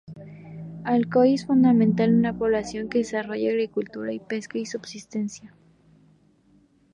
Alcoy es fundamentalmente una población que desarrolla agricultura y pesca de subsistencia.